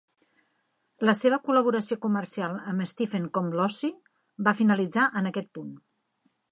La seva col·laboració comercial amb Stephen Komlosy va finalitzar en aquest punt.